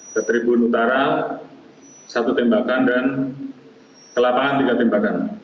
ke tribun utara satu tembakan dan ke lapangan tiga tembakan